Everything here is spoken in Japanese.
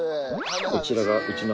こちらがうちの。